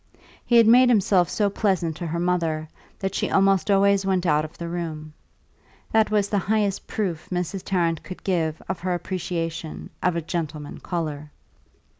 He had made himself so pleasant to her mother that she almost always went out of the room; that was the highest proof Mrs. Tarrant could give of her appreciation of a "gentleman caller."